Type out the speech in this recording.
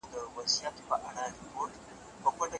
ایا واردات په بشپړه توګه بند شول؟